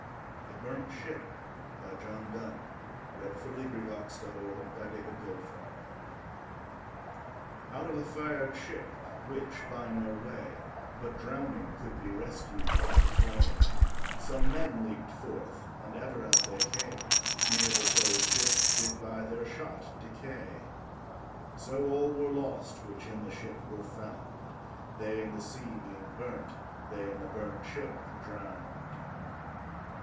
John Donnesister projects: Wikidata item. 202919A Burnt ShipJohn Donne Out of a fired ship, which, by no way But drowning, could be rescued from the flame, Some men leap'd forth, and ever as they came Neere the foes ships, did by their shot decay; So all were lost, which in the ship were found, They in the sea being burnt, they in the burnt ship drown'd.